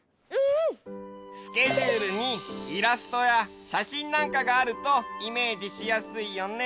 スケジュールにイラストやしゃしんなんかがあるとイメージしやすいよね。